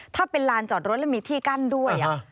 ถ้าเป็นลานจอดรถแล้วมีที่กั้นด้วย